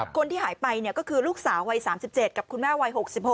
คนที่หายไปก็คือลูกสาววัย๓๗กับคุณแม่วัย๖๖